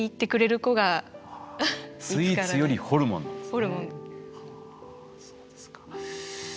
そうですか。